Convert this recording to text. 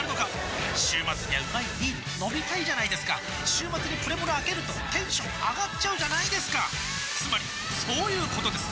週末にはうまいビール飲みたいじゃないですか週末にプレモルあけるとテンション上がっちゃうじゃないですかつまりそういうことです！